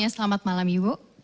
selamat malam ibu